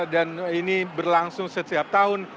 dan ini berlangsung setiap tahun